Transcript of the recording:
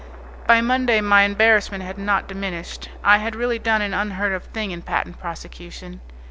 By Monday, my embarrassment had not diminished. I had really done an unheard of thing in patent prosecution.